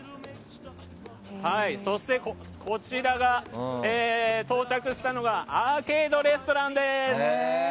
そして、到着したのがアーケードレストランです。